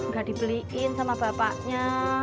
gak dibeliin sama bapaknya